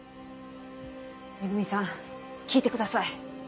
恵さん聞いてください。